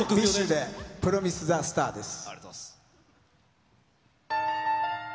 プロミスザスターです。